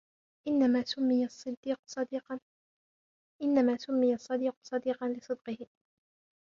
إنَّمَا سُمِّيَ الصَّدِيقُ صَدِيقًا لِصِدْقِهِ